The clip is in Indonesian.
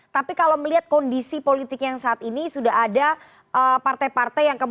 tapi kalau melihat kondisi politik yang saat ini sudah ada partai partai yang kemudian